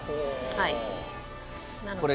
はい。